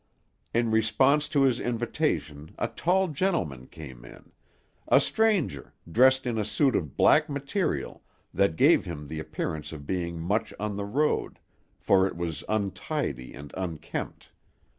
In response to his invitation a tall gentleman came in, a stranger, dressed in a suit of black material that gave him the appearance of being much on the road, for it was untidy and unkempt.